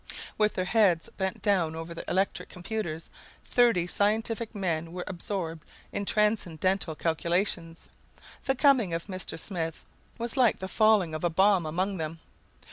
With their heads bent down over their electric computers, thirty scientific men were absorbed in transcendental calculations. The coming of Mr. Smith was like the falling of a bomb among them.